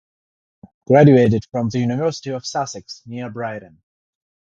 Heller graduated from the University of Sussex near Brighton.